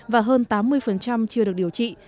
và hơn tám mươi chưa được điều trị